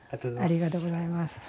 ありがとうございます。